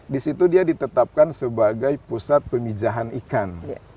di situ dia ditetapkan sebagai pusat pemijahan ikan